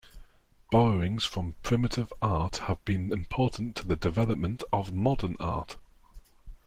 Borrowings from primitive art has been important to the development of modern art.